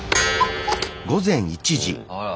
あら。